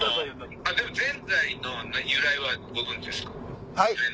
はい？